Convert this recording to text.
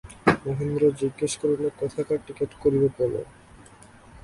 মহেন্দ্র জিজ্ঞাসা করিল, কোথাকার টিকিট করিব বলো।